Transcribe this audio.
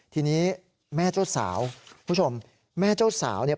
ทีนี้แม่เจ้าสาวคุณผู้ชมแม่เจ้าสาวเนี่ย